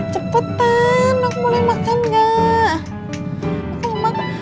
cepetan aku boleh makan gak selamat